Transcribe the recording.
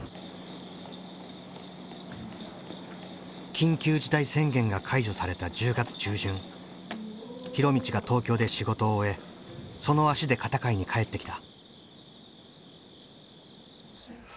緊急事態宣言が解除された大倫が東京で仕事を終えその足で片貝に帰ってきた。